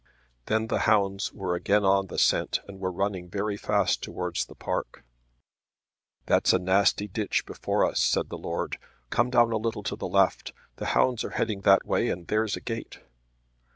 Then the hounds were again on the scent and were running very fast towards the park. "That's a nasty ditch before us," said the Lord. "Come down a little to the left. The hounds are heading that way, and there's a gate."